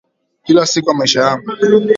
Kila siku ya maisha yangu.